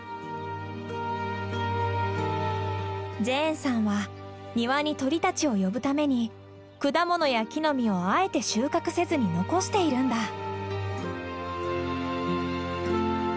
ジェーンさんは庭に鳥たちを呼ぶために果物や木の実をあえて収穫せずに残しているんだ。